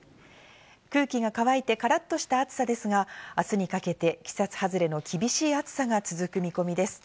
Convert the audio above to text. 空気が乾いて、カラっとした暑さですが、あすにかけて季節外れの厳しい暑さが続く見込みです。